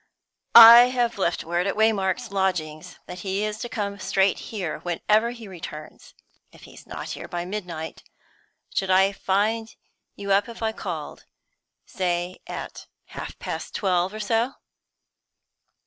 "I have left word at Waymark's lodgings that he is to come straight here whenever he returns. If he's not here by midnight, should I find you up if I called say at half past twelve or so?"